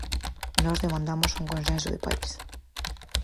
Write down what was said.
Nós demandamos un consenso de país.